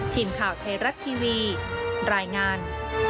ทีมข่าวไทยรัฐทีวีรายงาน